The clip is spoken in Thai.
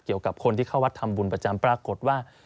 เกี่ยวกับคนที่เข้าวัดทำบุญประจำปรากฏว่า